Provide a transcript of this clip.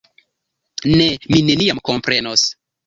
Ne, mi neniam komprenos.